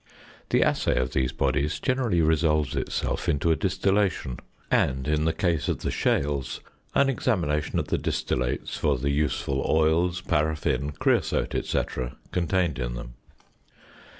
The assay of these bodies generally resolves itself into a distillation, and, in the case of the shales, an examination of the distillates for the useful oils, paraffin, creosote, &c., contained in them.